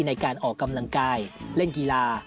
ในการออกกำลังกายเล่นกีฬา